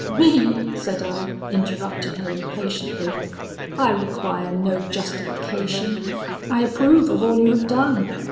'Me!' said I interrupting her impatiently; 'I require no justification; I approve of all you have done.